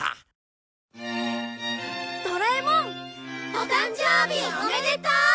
お誕生日おめでとう！